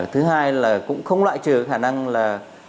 thứ hai là cũng không loại trừ khả năng là